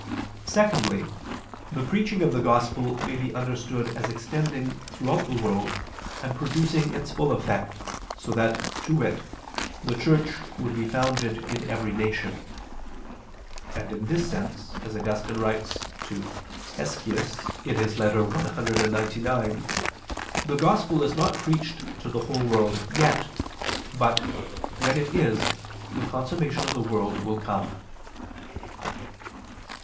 Secondly, the preaching of the Gospel may be understood as extending throughout the world and producing its full effect, so that, to wit, the Church would be founded in every nation. And in these sense, as Augustine writes to Hesychius (Epist. cxcix), the Gospel is not preached to the whole world yet, but, when it is, the consummation of the world will come.